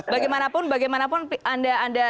bagaimanapun bagaimanapun anda